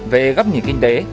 về gấp nhìn kinh tế